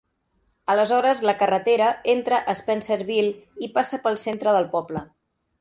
Aleshores, la carretera entra a Spencerville i passa pel centre del poble.